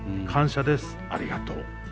感謝ですありがとう」。